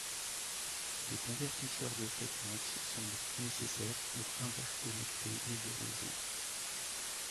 Des convertisseurs de fréquences sont donc nécessaires pour interconnecter les deux réseaux.